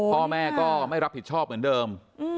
พ่อแม่ก็ไม่รับผิดชอบเหมือนเดิม